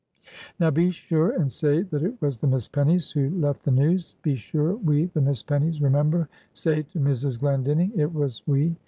"Now be sure, and say that it was the Miss Pennies, who left the news be sure we the Miss Pennies remember say to Mrs. Glendinning it was we."